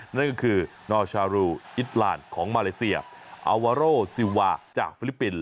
นั่นก็คือนอชารูอิตลานของมาเลเซียอาวาโรซิลวาจากฟิลิปปินส์